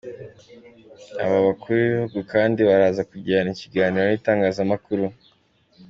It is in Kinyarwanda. Aba bakuru b’Ibihugu kandi baraza kugirana ikiganiro n’itangazamakuru.